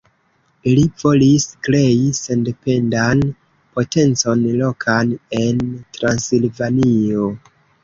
Li volis krei sendependan potencon lokan en Transilvanio.